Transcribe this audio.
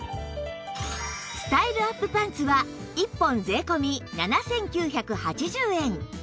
スタイルアップパンツは１本税込７９８０円